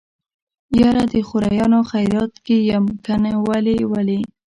يره د خوريانو خيرات کې يم کنه ولې ولې.